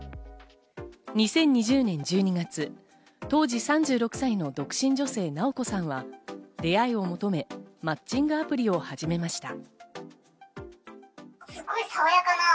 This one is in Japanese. ２０２０年１２月、当時３６歳の独身女性のなおこさんは出会いを求め、マッチングアプリを始めました。